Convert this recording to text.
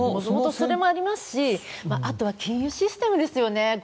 それもありますしあとは金融システムですよね。